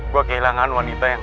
gue kehilangan wanita yang